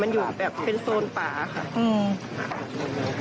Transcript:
มันอยู่แบบเป็นโซนป่าค่ะ